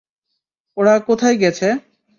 ওরা কোথায় গেছে?